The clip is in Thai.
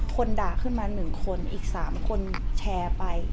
อุ่นด่าขึ้นมาหนึ่งคนอีกสามคนแฉร์ไป